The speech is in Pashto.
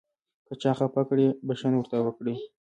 که چا خفه کړئ بښنه ورته وکړئ .